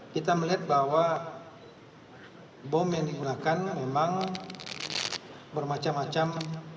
kita melihat bahwa bom yang digunakan memang bermacam macam